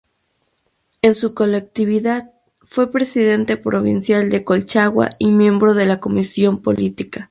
En su colectividad fue presidente provincial de Colchagua y miembro de la Comisión Política.